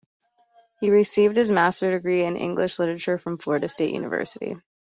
He received his master's degree in English Literature from Florida State University.